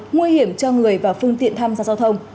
nguy hiểm cho người và phương tiện tham gia giao thông